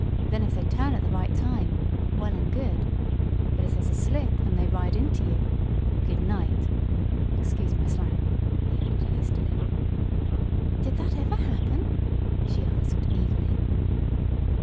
Then if they turn at the right time well and good. But if there's a slip, and they ride into you good night! Excuse my slang," he added, hastily. "Did that ever happen?" she asked, eagerly.